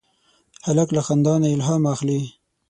هلک له خندا نه الهام اخلي.